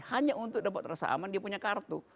hanya untuk dapat rasa aman dia punya kartu